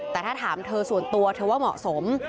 แต่ถ้าถามเธอส่วนตัวเธอว่าเหมาะสม